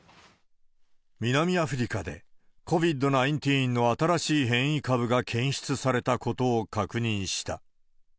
南アフリカでＣＯＶＩＤ−１９の新しい変異株が検出されたことを確認した。